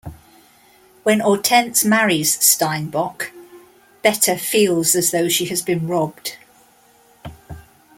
When Hortense marries Steinbock, Bette feels as though she has been robbed.